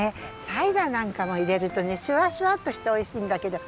サイダーなんかもいれるとねシュワシュワッとしておいしいんだけど。